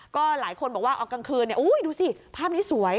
ก็หลายคนบอกว่าเอากลางคืนดูสิภาพนี้สวย